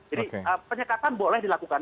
jadi penyekatan boleh dilakukan